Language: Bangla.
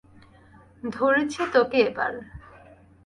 ধরেছি তোকে এবার।